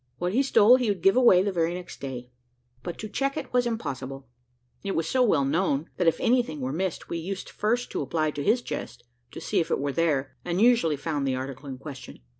What he stole he would give away the very next day; but to check it was impossible. It was so well known, that if anything were missed, we used first to apply to his chest to see if it were there, and usually found the article in question.